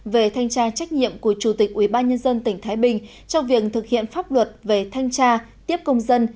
về thanh tra trách nhiệm của chủ tịch ủy ban nhân dân tỉnh thái bình trong việc thực hiện pháp luật về thanh tra tiếp công dân